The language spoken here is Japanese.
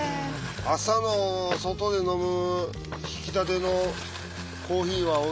朝の外で飲むひきたてのコーヒーはおいしいね。